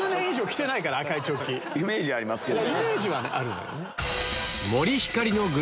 イメージありますけど。